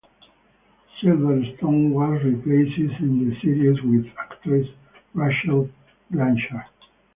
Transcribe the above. Silverstone was replaced in the series with actress Rachel Blanchard.